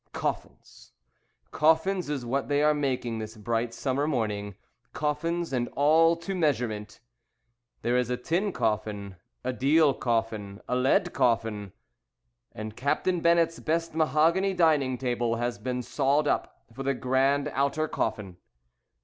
Coffins! Coffins is what they are making this bright Summer morning. Coffins and all to measurement. There is a tin coffin, A deal coffin, A lead coffin, And Captain Bennett's best mahogany dining table Has been sawed up for the grand outer coffin.